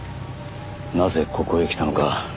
なぜここへ来たのか。